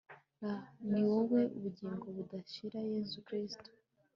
r/ ni wowe bugingo budashira, yezu kristu